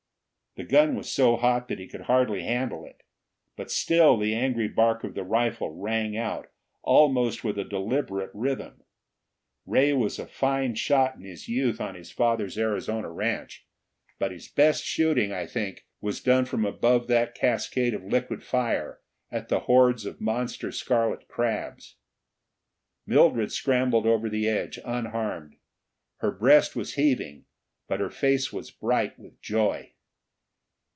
The gun was so hot that he could hardly handle it. But still the angry bark of the rifle rang out, almost with a deliberate rhythm. Ray was a fine shot in his youth on his father's Arizona ranch, but his best shooting, I think, was done from above that cascade of liquid fire, at the hordes of monster scarlet crabs. Mildred scrambled over the edge, unharmed. Her breast was heaving, but her face was bright with joy.